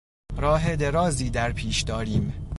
راه درازی در پیش داریم.